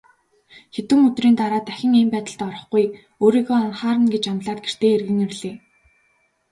Хэдэн өдрийн дараа дахин ийм байдалд орохгүй, өөрийгөө анхаарна гэж амлаад гэртээ эргэн ирлээ.